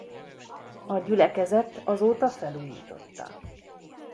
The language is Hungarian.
A gyülekezet azóta felújította.